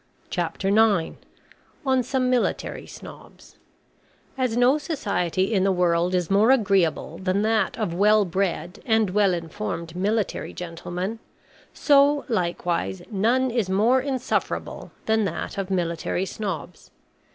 CHAPTER IX ON SOME MILITARY SNOBS As no society in the world is more agreeable than that of well bred and well informed military gentlemen, so, likewise, none is more insufferable than that of Military Snobs.